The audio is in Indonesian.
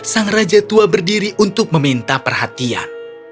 sang raja tua berdiri untuk meminta perhatian